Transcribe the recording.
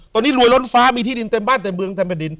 ตอนนี้รวยล้นฟ้ามีที่ดินเต็มบ้านเต็มเมืองเต็มแผ่นดิน